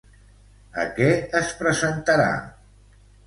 A què es presentarà?